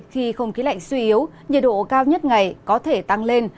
khi không khí lạnh suy yếu nhiệt độ cao nhất ngày có thể tăng lên